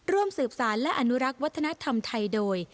ร่วมสืบสารและอนุรักษ์วัฒนธรรมไทยโดย